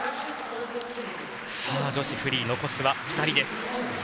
女子フリー、残すは２人です。